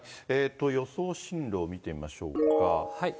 予想進路を見てみましょうか。